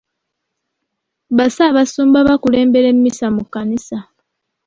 Bassaabasumba bakulembera emmisa mu kkanisa.